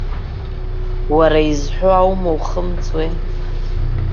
Уара изҳәо, аума ухымҵуеи!